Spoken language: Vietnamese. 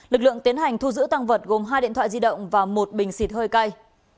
lực lượng tiến hành thu giữ tăng vật gồm hai điện thoại di động và một bình xịt hơi cay